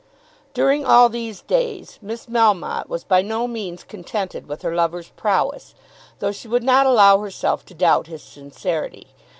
During all these days Miss Melmotte was by no means contented with her lover's prowess, though she would not allow herself to doubt his sincerity.